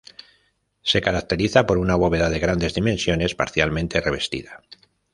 Se caracteriza por una bóveda de grandes dimensiones parcialmente revestida.